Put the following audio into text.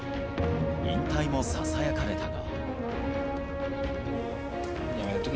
引退もささやかれたが。